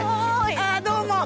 ◆あ、どうも。